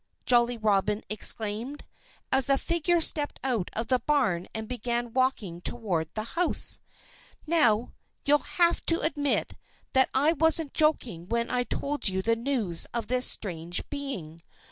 Jolly Robin exclaimed, as a figure stepped out of the barn and began walking toward the house. "Now, you'll have to admit that I wasn't joking when I told you the news of this strange being.